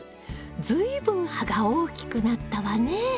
随分葉が大きくなったわね！